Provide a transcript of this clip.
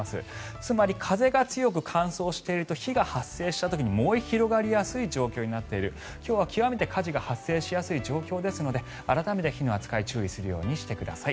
つまり、風が強く乾燥していると火が発生した時に燃え広がりやすい状況になっている今日は極めて火事が発生しやすい状況ですので改めて火の扱いに注意するようにしてください。